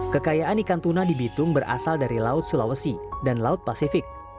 kekayaan ikan tuna di bitung berasal dari laut sulawesi dan laut pasifik